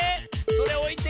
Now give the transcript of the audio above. それおいて。